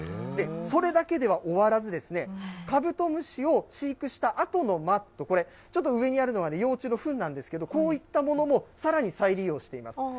それだけでは終わらず、カブトムシを飼育したあとのマット、これ、ちょっと上にあるのは幼虫のふんなんですけど、こういったものもさらに再利用しています。